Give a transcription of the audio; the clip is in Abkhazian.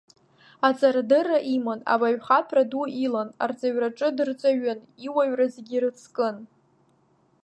Аҵарадырра иман, абаҩхатәра ду илан, арҵаҩраҿы дырҵаҩын, иуаҩра зегьы ирыцкын.